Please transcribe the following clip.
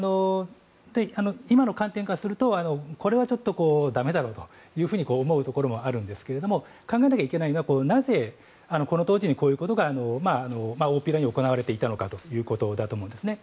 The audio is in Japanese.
今の観点からするとこれはちょっとだめだろうと思うところもあるんですけれど考えなきゃいけないのはなぜ、この当時にこういうことが大っぴらに行われていたのかということだと思うんですね。